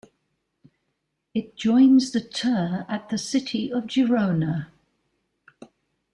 It joins the Ter at the city of Girona.